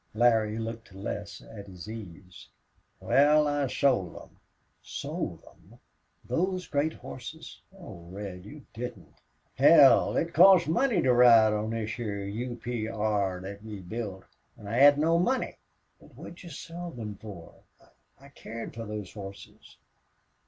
Larry looked less at his ease. "Wal, I sold them." "Sold them! Those great horses? Oh, Red, you didn't!" "Hell! It costs money to ride on this heah U.P.R. thet we built, an' I had no money." "But what did you sell them for? I I cared for those horses."